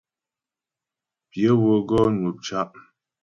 Pyə wə́ gɔ nwə̂p cá'.